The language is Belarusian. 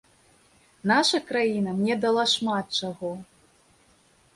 Наша краіна мне дала шмат чаго.